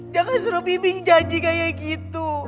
jangan suruh bimbing janji kayak gitu